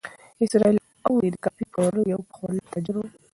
اسراییل اوري د کافي پلورلو یو پخوانی تاجر و.